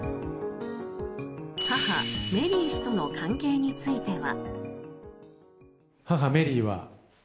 母・メリー氏との関係については。